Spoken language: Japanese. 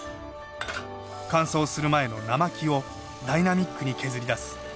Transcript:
乾燥する前の生木をダイナミックに削り出す。